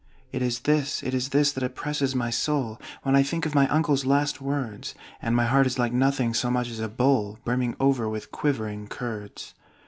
"It is this, it is this, that oppresses my soul When I think of my uncle's last words; And my heart is like nothing so much as a bowl Brimming over with quivering curds!